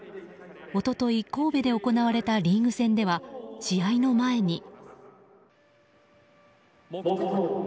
一昨日、神戸で行われたリーグ戦では試合の前に。